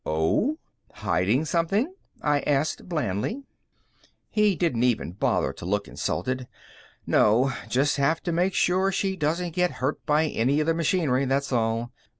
"Oh? Hiding something?" I asked blandly. He didn't even bother to look insulted. "No. Just have to make sure she doesn't get hurt by any of the machinery, that's all.